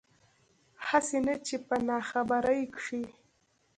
هسې نه چې پۀ ناخبرۍ کښې